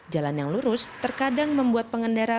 jalan yang lurus terkadang membuat pengendara